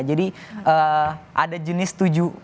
jadi ada jenis tujuh